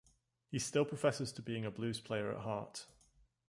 He still professes to being a blues player at heart.